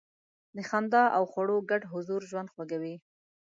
د خندا او خواړو ګډ حضور ژوند خوږوي.